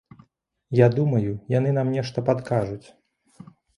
Я думаю, яны нам нешта падкажуць.